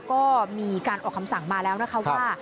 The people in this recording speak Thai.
ก็มีการออกคำสั่งมาแล้วนะคะว่า